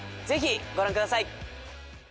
ぜひご覧ください。